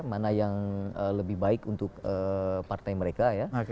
mana yang lebih baik untuk partai mereka ya